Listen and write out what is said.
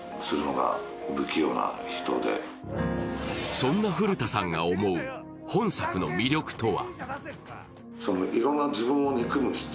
そんな古田さんが思う、本作の魅力とは？